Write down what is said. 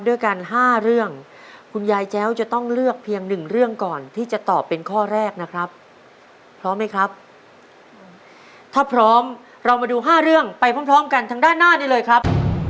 ด้วยกัน๕เรื่องคุณยายแจ้วจะต้องเลือกเพียงหนึ่งเรื่องก่อนที่จะตอบเป็นข้อแรกนะครับพร้อมไหมครับถ้าพร้อมเรามาดู๕เรื่องไปพร้อมกันทางด้านหน้านี้เลยครับ